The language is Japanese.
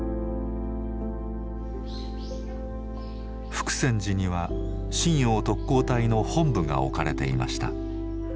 福泉寺には震洋特攻隊の本部が置かれていました。